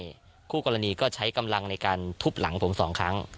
ใช่คู่กรณีก็ใช้กำลังในการทุบหลังผมสองครั้ง